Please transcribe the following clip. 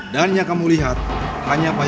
dan yang kamu lihat hanya payahmu